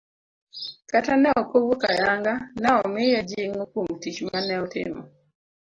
kata ne ok owuok ayanga, ne omiye jing'o kuom tich mane otimo.